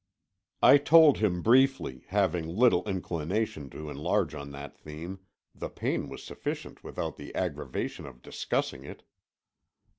I told him briefly, having little inclination to enlarge on that theme—the pain was sufficient without the aggravation of discussing it.